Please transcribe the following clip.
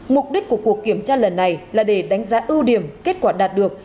mục đích của cuộc kiểm tra lần này là để đánh giá ưu điểm kết quả đạt được